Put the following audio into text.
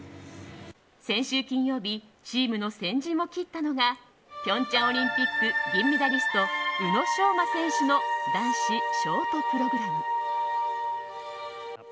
先週金曜日チームの先陣を切ったのが平昌オリンピック銀メダリスト宇野昌磨選手の男子ショートプログラム。